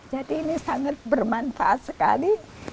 jadi ini sangat bermanfaat sekali